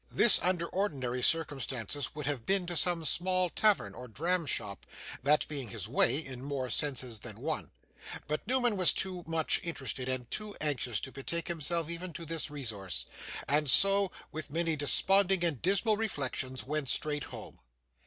This, under ordinary circumstances, would have been to some small tavern or dram shop; that being his way, in more senses than one. But, Newman was too much interested, and too anxious, to betake himself even to this resource, and so, with many desponding and dismal reflections, went straight home.